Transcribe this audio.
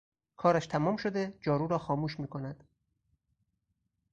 کارش تمام شده جارو را خاموش میکند